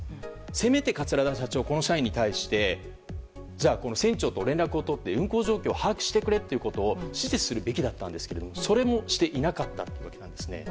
せめて桂田社長はこの社員に対してじゃあ船長と連絡を取って運航状況を把握してくれと指示するべきだったんですけどそれもしていなかったというんです。